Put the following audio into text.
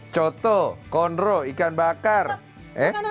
sampai jumpa lagi